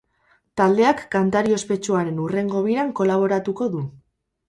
Taldeak kantari ospetsuaren hurrengo biran kolaboratuko du.